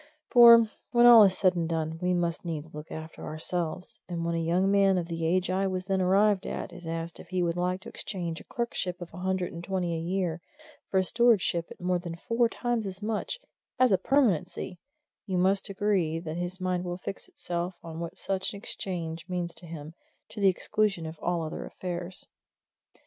For, when all is said and done, we must needs look after ourselves, and when a young man of the age I was then arrived at is asked if he would like to exchange a clerkship of a hundred and twenty a year for a stewardship at more than four times as much as a permanency you must agree that his mind will fix itself on what such an exchange means to him, to the exclusion of all other affairs.